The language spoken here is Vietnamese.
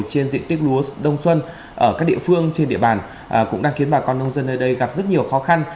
trên diện tích lúa đông xuân ở các địa phương trên địa bàn cũng đang khiến bà con nông dân nơi đây gặp rất nhiều khó khăn